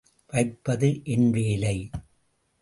வைப்பது என் வேலை.